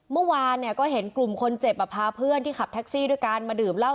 เมื่อวานเนี่ยก็เห็นกลุ่มคนเจ็บพาเพื่อนที่ขับแท็กซี่ด้วยกันมาดื่มเหล้า